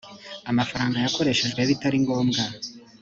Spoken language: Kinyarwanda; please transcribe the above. amafaranga yakoreshejwe bitari ngombwa